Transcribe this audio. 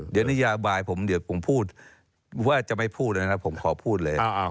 เดี๋ยวนึกบายผมผมว่าจะไม่พูดด้วยนะผมขอพูดเลย